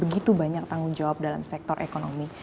begitu banyak tanggung jawab dalam sektor ekonomi